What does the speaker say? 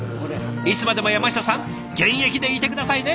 いつまでも山下さん現役でいて下さいね！